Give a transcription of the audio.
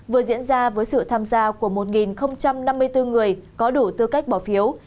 vừa diễn ra với sự tham gia của một năm mươi bốn người có đủ tư cách bỏ phiếu